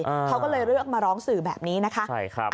เขาก็เลยเลือกมาร้องสื่อแบบนี้นะคะ